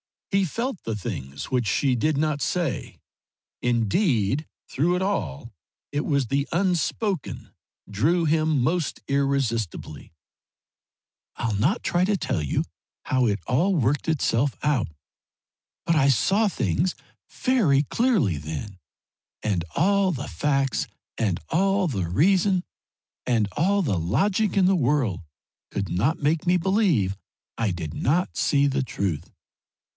He felt the things which she did not say; indeed through it all it was the unspoken drew him most irresistibly. "I'll not try to tell you how it all worked itself out, but I saw things very clearly then, and all the facts and all the reason and all the logic in the world could not make me believe I did not see the truth.